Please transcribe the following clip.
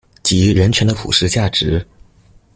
及人權的普世價值